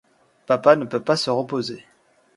Papa ne peut pas se reposer.